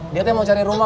dia teh mau cari rumah